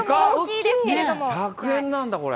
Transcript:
１００円なんだ、これ。